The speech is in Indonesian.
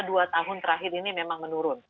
dua tahun terakhir ini memang menurun